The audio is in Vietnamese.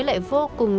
lại vô cùng